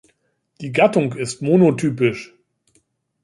Die Gattung ist monotypisch.